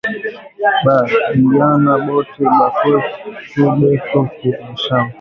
Ba biyana bote ba kwetu beko ku mashamba